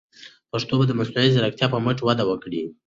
پښتو به د مصنوعي ځیرکتیا په مټ وده وکړي.